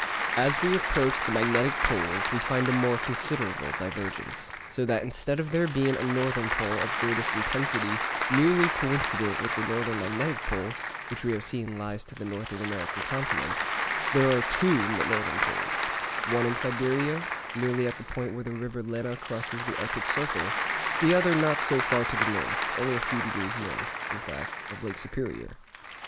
As we approach the magnetic poles we find a more considerable divergence, so that instead of there being a northern pole of greatest intensity nearly coincident with the northern magnetic pole, which we have seen lies to the north of the American continent, there are two northern poles, one in Siberia nearly at the point where the river Lena crosses the Arctic circle, the other not so far to the north—only a few degrees north, in fact, of Lake Superior.